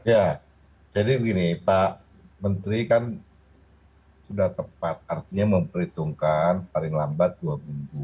ya jadi begini pak menteri kan sudah tepat artinya memperhitungkan paling lambat dua minggu